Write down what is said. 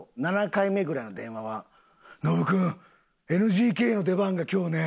７回目ぐらいの電話は「ノブ君ＮＧＫの出番が今日ね